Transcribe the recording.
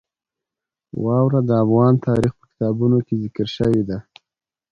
واوره د افغان تاریخ په کتابونو کې ذکر شوې ده.